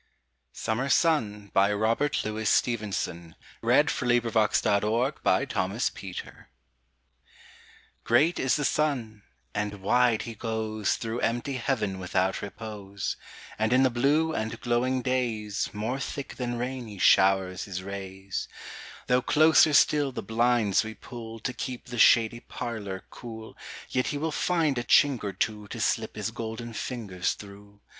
5ŌĆō1977). Modern British Poetry. 1920. Robert Louis Stevenson1850–1894 Summer Sun GREAT is the sun, and wide he goesThrough empty heaven without repose; And in the blue and glowing daysMore thick than rain he showers his rays. Though closer still the blinds we pullTo keep the shady parlour cool, Yet he will find a chink or twoTo slip his golden fingers through.